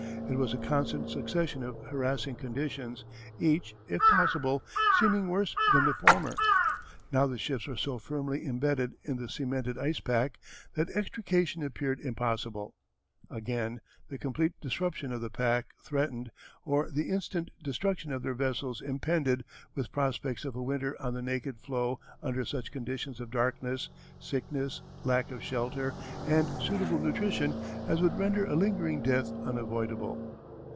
It was a constant succession of harassing conditions, each, if possible, seeming worse than the former. Now the ships were so firmly imbedded in the cemented ice pack that extrication appeared impossible; again the complete disruption of the pack threatened, or the instant destruction of their vessels impended, with prospects of a winter on the naked floe under such conditions of darkness, sickness, lack of shelter, and suitable nutrition as would render a lingering death unavoidable.